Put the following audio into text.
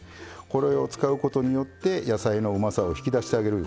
これを使うことによって野菜のうまさを引き出してあげるいうことですね。